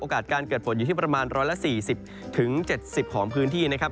โอกาสการเกิดฝนอยู่ที่ประมาณร้อยละ๔๐๗๐ของพื้นที่นะครับ